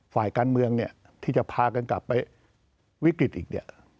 ฝ่ายการเมืองเนี่ยที่จะพากันกลับไปวิกฤตอีกเนี่ย